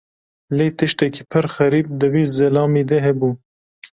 Lê tiştekî pir xerîb di vî zilamî de hebû.